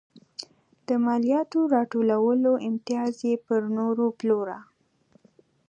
د مالیاتو راټولولو امتیاز یې پر نورو پلوره.